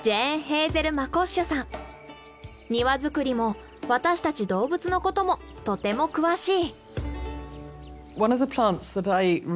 庭作りも私たち動物のこともとても詳しい。